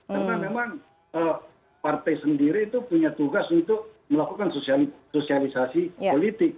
karena memang partai sendiri itu punya tugas untuk melakukan sosialisasi politik